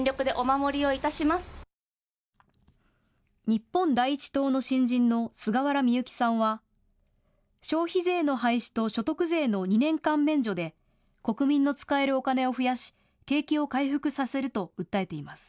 日本第一党の新人の菅原深雪さんは消費税の廃止と所得税の２年間免除で国民の使えるお金を増やし、景気を回復させると訴えています。